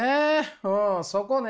うんそこね。